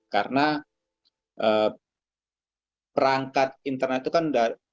karena perangkat internet itu kan